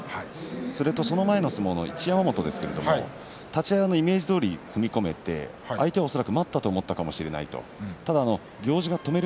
それから、その前の相撲の一山本ですけれども立ち合いはイメージどおりに踏み込めた相手は恐らく待ったかもしれないと思ったかもしれない。